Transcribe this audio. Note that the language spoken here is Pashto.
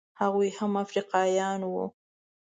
هغوی هم افریقایان وو.